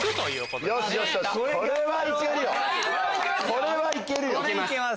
これは行けるよ！